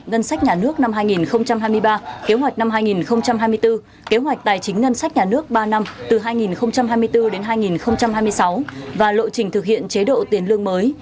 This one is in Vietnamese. ngân sách nhà nước năm hai nghìn hai mươi ba kế hoạch năm hai nghìn hai mươi bốn kế hoạch tài chính ngân sách nhà nước ba năm từ hai nghìn hai mươi bốn đến hai nghìn hai mươi sáu và lộ trình thực hiện chế độ tiền lương mới